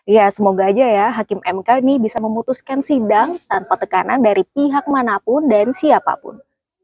ya semoga aja ya hakim mk ini bisa memutuskan sidang tanpa tekanan dari pihak manapun dan siapapun